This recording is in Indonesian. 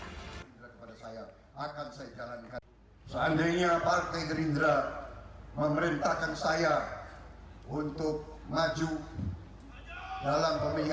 gerindra kepada saya akan saya jalankan